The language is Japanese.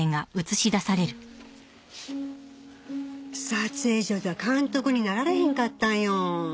撮影所では監督になられへんかったんよ。